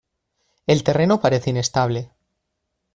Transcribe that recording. El terreno parece inestable.